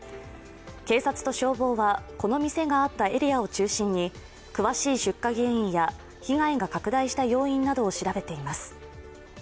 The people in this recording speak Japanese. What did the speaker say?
警察と消防は、この店があったエリアを中心に詳しい出火原因や被害が拡大した要因などを調べています。